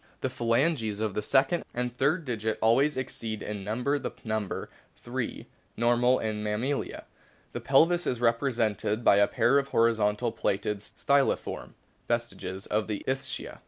The phalanges of the second and third digit always exceed in number the number (three) normal in the Mammalia. The pelvis is represented by a pair of horizontally placed styliform vestiges of the ischia.